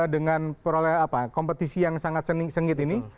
dengan kompetisi yang sangat sengit ini